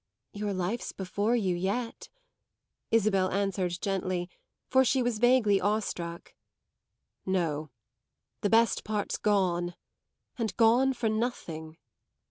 "Your life's before you yet," Isabel answered gently, for she was vaguely awe struck. "No; the best part's gone, and gone for nothing."